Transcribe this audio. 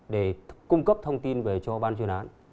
để cung cấp thông tin về cho ban chuyên án